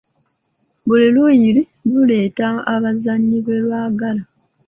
Buli luuyi luleeta abazannyi be lwagala.